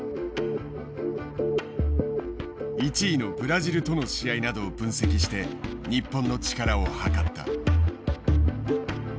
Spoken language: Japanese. １位のブラジルとの試合などを分析して日本の力を測った。